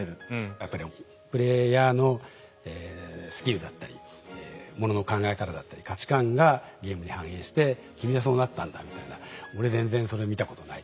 やっぱりプレイヤーのスキルだったりものの考え方だったり価値観がゲームに反映して「君はそうなったんだ？」みたいな「俺全然それ見たことない」とか。